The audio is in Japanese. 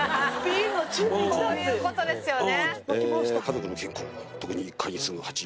こういうことですよね。